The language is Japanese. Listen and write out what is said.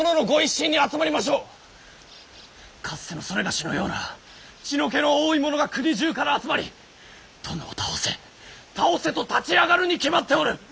かつての某のような血の気の多い者が国中から集まり「殿を倒せ倒せ」と立ち上がるに決まっておる。